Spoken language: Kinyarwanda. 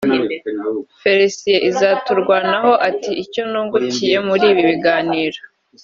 Felicien Izaturwanaho ati “ Icyo nungukiye muri ibi biganiro